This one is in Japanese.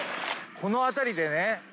この辺りでね